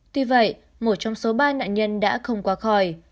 tuy vậy một trong số ba nạn nhân đã không qua khỏi